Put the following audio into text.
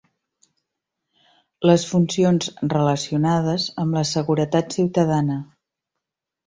Les funcions relacionades amb la seguretat ciutadana.